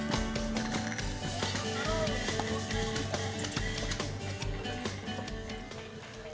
nah kegiatan utama anak anak dan remaja di dusun ini